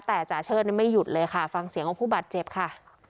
แต่จ่าเชิดไม่หยุดเลยค่ะฟังเสียงของผู้บาดเจ็บค่ะ